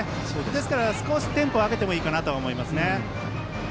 ですから、少しテンポを上げてもいいかなと思いますね。